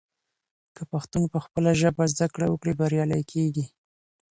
که پښتون پخپله ژبه زده کړه وکړي، بریالی کیږي.